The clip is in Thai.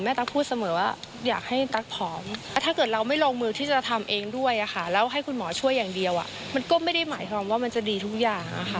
มันก็ไม่ได้หมายความว่ามันจะดีทุกอย่าง